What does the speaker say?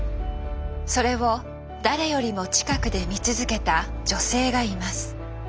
それを誰よりも近くで見続けた女性がいます。